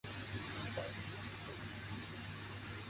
康熙二年癸卯科江南乡试第九名举人。